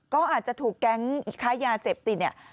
ก็อาจจะถูกแก๊งค้ายาเสพติดเนี่ย